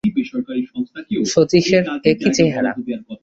শচীশের এ কী চেহারা!